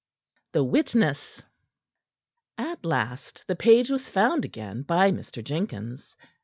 THE WITNESS At last the page was found again by Mr. Jenkins.